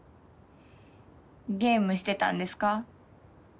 ゲームしてたんですか？